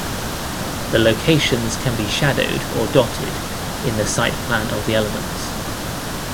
The locations can be shadowed or dotted in the siteplan of the elements.